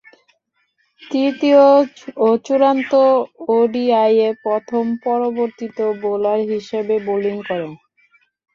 তৃতীয় ও চূড়ান্ত ওডিআইয়ে প্রথম পরিবর্তিত বোলার হিসেবে বোলিং করেন।